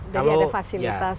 jadi ada fasilitas